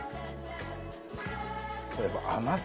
これやっぱ甘さ。